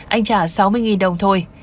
anh trả sáu mươi đồng thôi